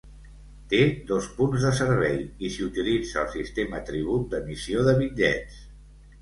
Té dos punts de servei i s'hi utilitza el sistema Tribut d'emissió de bitllets.